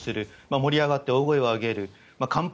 盛り上がって大声を上げる。乾杯！